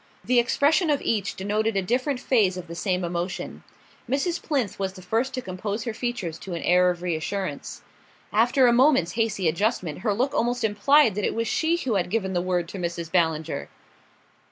The expression of each denoted a different phase of the same emotion. Mrs. Plinth was the first to compose her features to an air of reassurance: after a moment's hasty adjustment her look almost implied that it was she who had given the word to Mrs. Ballinger.